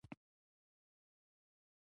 دا ځنډ دی